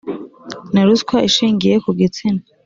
na ruswa ishingiye ku gitsina